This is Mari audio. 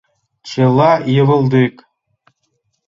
Чыла йывылдик!